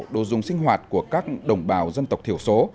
đồ dùng sinh hoạt của các đồng bào dân tộc thiểu số